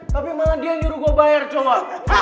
tapi malah dia nyuruh gue bayar coba